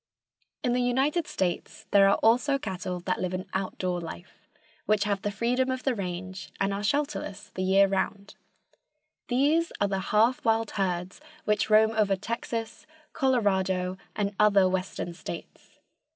In the United States there are also cattle that live an outdoor life, which have the freedom of the range, and are shelterless the year around. These are the half wild herds which roam over Texas, Colorado and other western states.